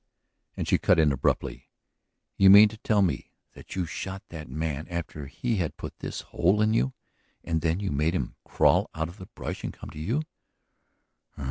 ..." "And," she cut in abruptly, "you mean to tell me that you shot that man after he had put this hole in you? And then you made him crawl out of the brush and come to you?"